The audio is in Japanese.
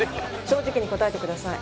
正直に答えてください。